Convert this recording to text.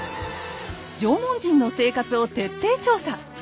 縄文人の生活を徹底調査。